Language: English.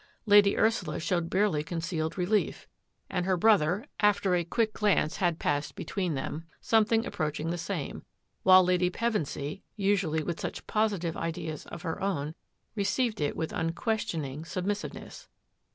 Lady Ursula sh< barely concealed relief, and her brother, aft quick glance had flashed between them, somet approaching the same, while Lady Pevensy, ally with such positive ideas of her own, rea it with unquestioning submissiveness.